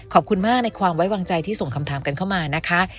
ขอบคุณมากในความไว้วางใจที่ส่งคำถามกันเข้ามานะคะ